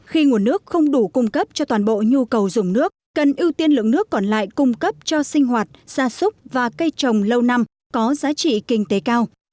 khi nguồn nước không đủ cung cấp cho toàn bộ nhu cầu dùng nước cần ưu tiên lượng nước còn lại cung cấp cho sinh hoạt gia súc và cây trồng lâu năm có giá trị kinh tế cao